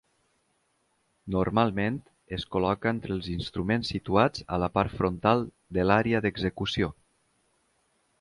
Normalment es col·loca entre els instruments situats a la part frontal de l'àrea d'execució.